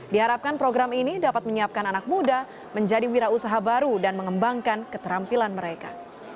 diharapkan program ini dapat menyiapkan anak muda menjadi wira usaha baru dan mengembangkan keterampilan mereka